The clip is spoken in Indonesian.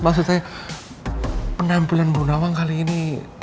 maksudnya penampilan bu nawang kali ini